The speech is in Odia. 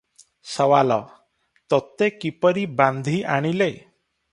ସୱାଲ - ତୋତେ କିପରି ବାନ୍ଧି ଆଣିଲେ?